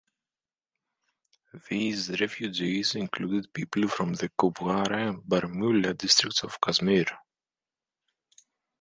These refugees included people from the Kupwara and Baramulla districts of Kashmir.